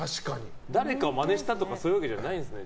誰かをマネしたとかそういうんじゃないですね。